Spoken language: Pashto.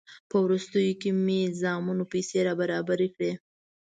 په وروستیو کې مې زامنو پیسې برابرې کړې.